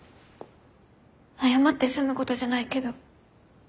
謝って済むことじゃないけど。